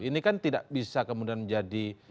ini kan tidak bisa kemudian menjadi